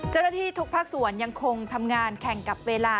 เจ้าหน้าที่ทุกภาคส่วนยังคงทำงานแข่งกับเวลา